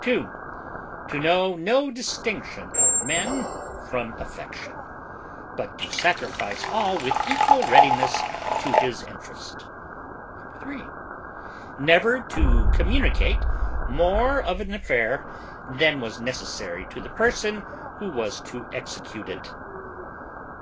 2. To know no distinction of men from affection; but to sacrifice all with equal readiness to his interest. 3. Never to communicate more of an affair than was necessary to the person who was to execute it.